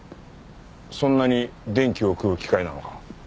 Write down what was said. そんなに電気を食う機械なのか。